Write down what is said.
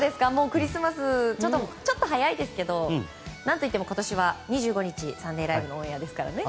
クリスマスちょっと早いですけど何といっても今年は２５日「サンデーＬＩＶＥ！！」のオンエアですからね。